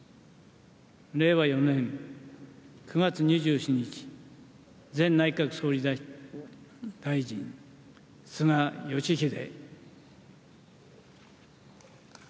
令和４年９月２７日前内閣総理大臣、菅義偉。